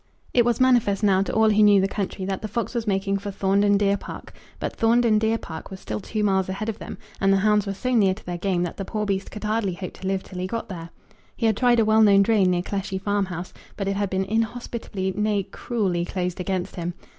It was manifest now to all who knew the country that the fox was making for Thornden Deer Park, but Thornden Deer Park was still two miles ahead of them, and the hounds were so near to their game that the poor beast could hardly hope to live till he got there. He had tried a well known drain near Cleshey Farm House; but it had been inhospitably, nay cruelly, closed against him.